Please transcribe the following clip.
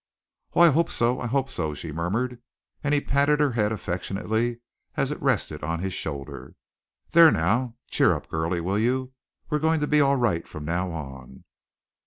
"Oh, I hope so, I hope so," she murmured, and he patted her head affectionately as it rested on his shoulder. "There now. Cheer up, girlie, will you! We're going to be all right from now on."